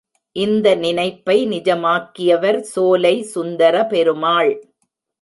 இந்த நினைப்பை நிஜமாக்கியவர் சோலை சுந்தரபெருமாள்.